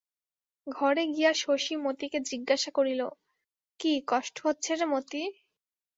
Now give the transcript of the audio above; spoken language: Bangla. ঘরে গিয়া শশী মতিকে জিজ্ঞাসা করিল, কি, কষ্ট হচ্ছে রে মতি?